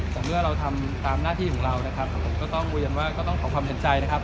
แต่เมื่อเราทำตามหน้าที่ของเรานะครับผมก็ต้องเรียนว่าก็ต้องขอความเห็นใจนะครับ